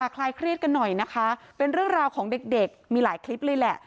คลายเครียดกันหน่อยนะคะเป็นเรื่องราวของเด็กมีหลายคลิปเลยแหละ